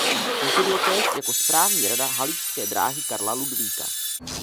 Působil též jako správní rada haličské dráhy Karla Ludvíka.